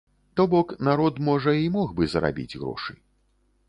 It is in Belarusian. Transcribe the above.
То бок, народ, можа, і мог бы зарабіць грошы.